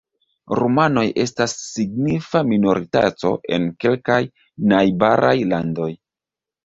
Rumanoj estas signifa minoritato en kelkaj najbaraj landoj.